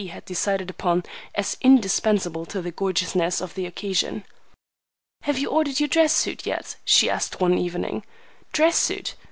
had decided upon as indispensable to the gorgeousness of the occasion. "Have you ordered your dress suit yet?" she asked one evening. "Dress suit?